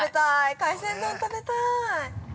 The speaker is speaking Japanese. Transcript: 海鮮丼食べたい。